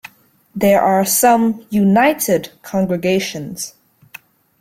There are some "united" congregations.